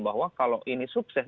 bahwa kalau ini sukses